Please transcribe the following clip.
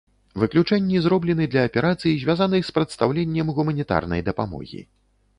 Выключэнні зроблены для аперацый, звязаных з прадстаўленнем гуманітарнай дапамогі.